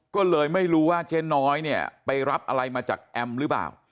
ก็เลยไม่รู้ว่าเจ๊น้อยเนี่ยไปรับอะไรมาจากแอมหรือเปล่า